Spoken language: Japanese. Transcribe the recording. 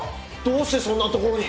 どうしてそんな所に！